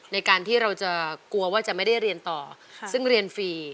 ในการที่เราจะกลัวว่าจะไม่ได้เรียนต่อซึ่งเรียนฟรี